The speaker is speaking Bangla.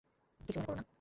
কিছু মনে করো না।